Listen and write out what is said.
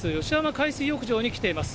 海水浴場に来ています。